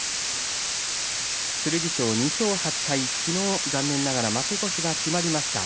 剣翔は２勝８敗、昨日残念ながら負け越しが決まりました。